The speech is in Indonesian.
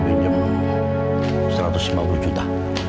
saya cuma kasih pinjam satu ratus lima puluh juta